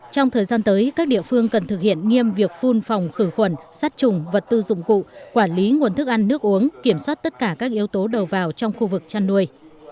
trong thời gian tới các địa phương cần thực hiện nghiêm việc phun phòng khử khuẩn sát trùng vật tư dụng cụ quản lý nguồn thức ăn nước uống kiểm soát tất cả các yếu tố đầu vào trong khu vực chăn nuôi